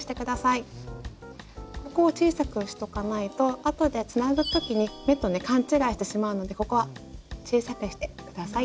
ここを小さくしとかないとあとでつなぐ時に目とね勘違いしてしまうのでここは小さくして下さい。